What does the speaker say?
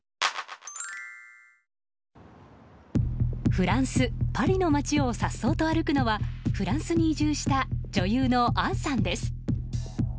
フランス・パリの街を颯爽と歩くのはフランスに移住した女優の杏さんです。